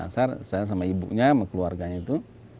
saya sama ibunya sama keluarganya itu